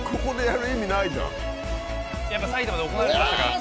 やっぱ埼玉で行われましたから。